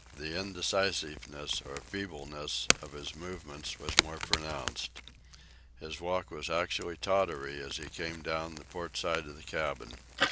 The indecisiveness, or feebleness, of his movements was more pronounced. His walk was actually tottery as he came down the port side of the cabin.